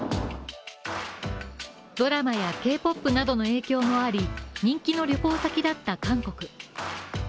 ドラマやＫ−ＰＯＰなどの影響もあり、人気の旅行先だった韓国。